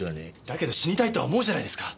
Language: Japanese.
だけど死にたいとは思うじゃないですか。